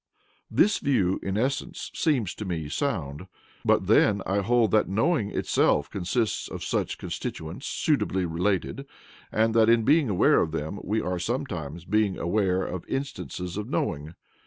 This view, in essence, seems to me sound. But then I hold that knowing itself consists of such constituents suitably related, and that in being aware of them we are sometimes being aware of instances of knowing.